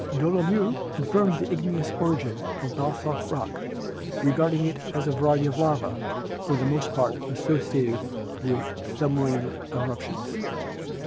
Dolo mieu confirmed the igneous origin of basalt rock, regard ing it as a variety of lava for the most part associated with submarine eruptions.